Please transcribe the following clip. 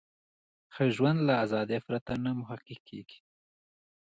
ښه ژوند له ازادۍ پرته نه محقق کیږي.